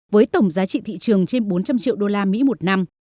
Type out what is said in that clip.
với tổng giá trị thị trường trên bốn trăm linh triệu đô la mỹ một năm